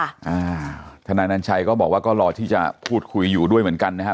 อ่าทนายนันชัยก็บอกว่าก็รอที่จะพูดคุยอยู่ด้วยเหมือนกันนะครับ